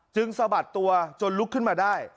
สะบัดตัวจนลุกขึ้นมาได้